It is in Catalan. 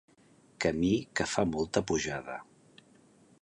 Camí que fa molta pujada.